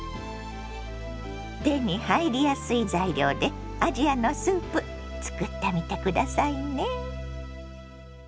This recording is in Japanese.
手に入りやすい材料でアジアのスープ作ってみて下さいね。